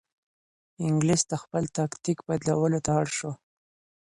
انګلیس د خپل تاکتیک بدلولو ته اړ شو.